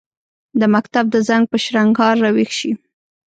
د مکتب د زنګ، په شرنګهار راویښ شي